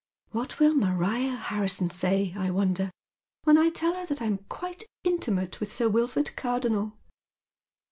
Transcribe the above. What will Maria Harrison say, I wonder, when I tell her that I am quite intimate with Sii Wilford Car donnel